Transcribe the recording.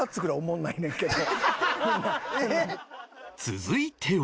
続いては